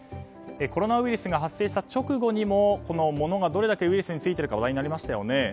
コロナウイルスが発生した直後にもものがどれだけウイルスがついているか話題になりましたよね。